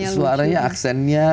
iya suaranya aksennya